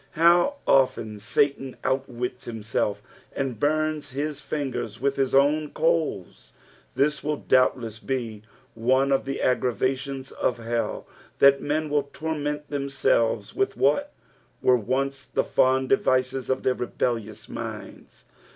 How often Satan outwits himself, and bums his fingers with his own coals I This wilt doubtless be one of tbe aggravations of htll, that meu will torment themselves with what were once the fond devices of their rebellious minds.